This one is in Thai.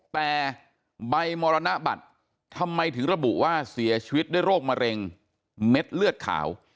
แต่ใบมรณบัตรทำไมถึงระบุว่าเสียชีวิตด้วยโรคมะเร็งเม็ดเลือดขาว